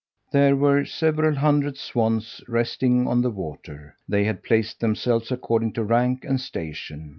There were several hundred swans resting on the water. They had placed themselves according to rank and station.